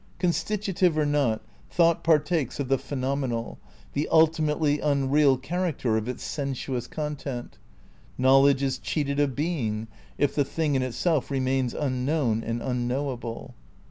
Constitutive or not, thought partakes of the phenomenal, the ultimately unreal character of its sen suous content. Knowledge is cheated of Being, if the Thing in Itself remains unknown and unknowable.